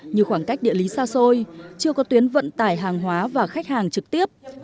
như khoảng cách địa lý xa xôi chưa có tuyến vận tải hàng hóa và khách hàng trực tiếp